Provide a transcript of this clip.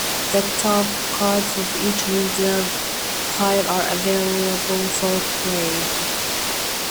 The top cards of each reserve pile are available for play.